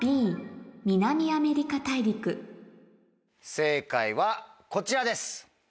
正解はこちらです。